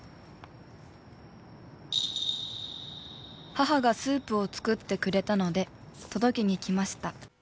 「母がスープを作ってくれたので届けに来ました」